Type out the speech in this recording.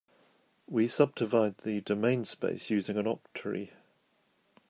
We subdivide the domain space using an octree.